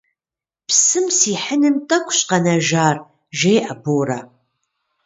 Псым сихьыным тӏэкӏущ къэнэжар, - жеӏэ Борэ.